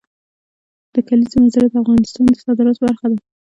د کلیزو منظره د افغانستان د صادراتو برخه ده.